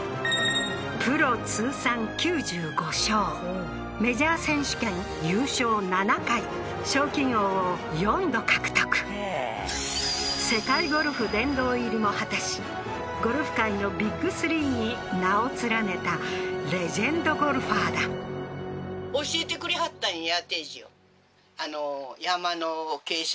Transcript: プロ通算９５勝メジャー選手権優勝７回賞金王を４度獲得世界ゴルフ殿堂入りも果たしゴルフ界のビッグ３に名を連ねたレジェンドゴルファーだねっそうですか